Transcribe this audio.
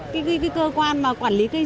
cái cơ quan mà quản lý cây